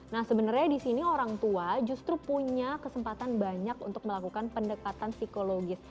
nah sebenarnya di sini orang tua justru punya kesempatan banyak untuk melakukan pendekatan psikologis